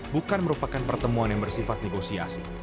bukan merupakan pertemuan yang bersifat negosiasi